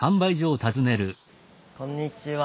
こんにちは。